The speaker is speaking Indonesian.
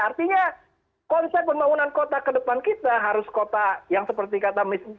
artinya konsep pembangunan kota ke depan kita harus kota yang seperti kata